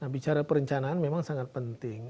bicara perencanaan memang sangat penting